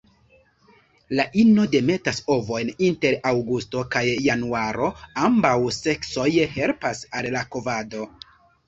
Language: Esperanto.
La ino demetas ovojn inter aŭgusto kaj januaro; ambaŭ seksoj helpas al la kovado.